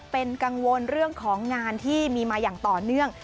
เป็นกังวลเรื่องของงานที่มีมาอย่างต่อเนื่อง